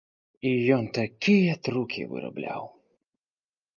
І ён такія трукі вырабляў!